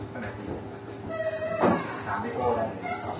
กลุ่มให้สวัสดีครับ